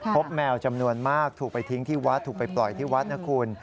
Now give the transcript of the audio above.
แมวจำนวนมากถูกไปทิ้งที่วัดถูกไปปล่อยที่วัดนะคุณ